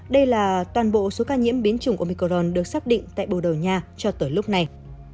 đây là toàn bộ số ca nhiễm biến chủng omicorn được xác định tại bồ đầu nha cho tới lúc này